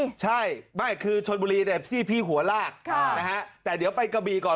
ใช่ไม่คือชนบุรีเนี่ยพี่หัวลากค่ะนะฮะแต่เดี๋ยวไปกระบีก่อน